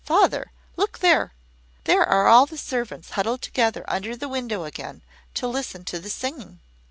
Father! look there! there are all the servants huddled together under the window again, to listen to the singing."